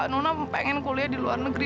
nono pengen kuliah di luar negeri